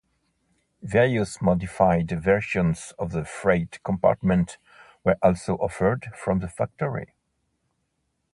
Various modified versions of the freight compartment were also offered from the factory.